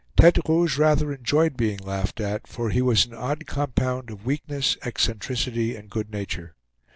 Tete Rouge rather enjoyed being laughed at, for he was an odd compound of weakness, eccentricity, and good nature.